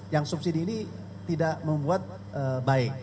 yang subsidi ini tidak membuat baik